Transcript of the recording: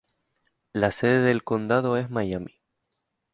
La sede del condado es Miami.